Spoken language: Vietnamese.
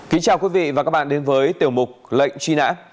kính chào quý vị và các bạn đến với tiểu mục lệnh truy nã